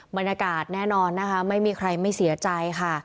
บรรยากาศแน่นอนนะคะไม่มีใครไม่เสียใจค่ะ